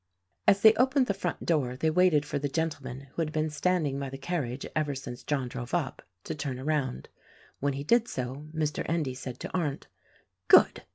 As they opened the front door they waited for the gentleman — who had been standing by the carriage ever since John drove up — to turn around. When he did so, Mr. Endy said to Arndt, "Good!"